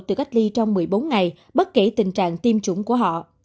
được cách ly trong một mươi bốn ngày bất kể tình trạng tiêm chủng của họ